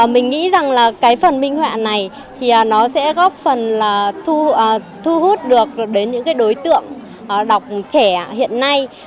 mình nghĩ rằng là cái phần minh họa này thì nó sẽ góp phần là thu hút được đến những cái đối tượng đọc trẻ hiện nay